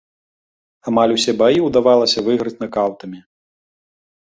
Амаль усе баі ўдавалася выйграваць накаўтамі.